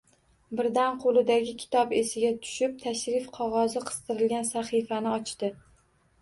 Birdan qo`lidagi kitob esiga tushib tashrif qog`ozi qistirilgan sahifani ochdi